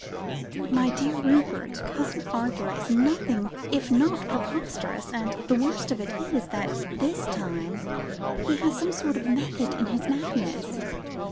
"My dear Rupert, Cousin Arthur is nothing if not preposterous, and the worst of it is, that this time he has some sort of method in his madness.